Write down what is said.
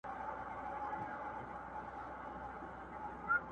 o د دوو روپو سپى و، د لسو روپو ځنځير ئې يووی٫